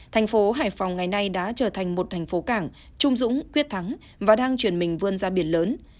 thành phố hải phòng ngày nay đã trở thành một thành phố cảng trung dũng quyết thắng và đang chuyển mình vươn ra biển lớn